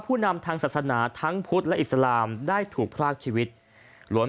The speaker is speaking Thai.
นำทางศาสนาทั้งพุทธและอิสลามได้ถูกพรากชีวิตล้วน